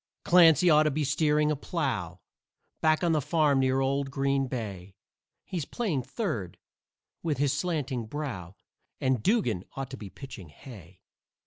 Clancy ought to be steering a plow Back on the farm near old Green Bay; He's playing third, with his slanting brow; And Dugan ought to be pitching hay.